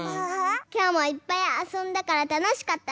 きょうもいっぱいあそんだからたのしかったね。